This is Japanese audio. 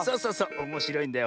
おもしろいんだよ。